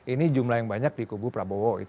ini jumlah yang banyak di kubu prabowo